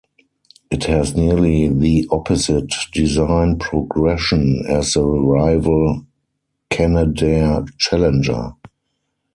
It has nearly the opposite design progression as the rival Canadair Challenger.